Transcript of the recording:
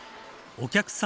お客さん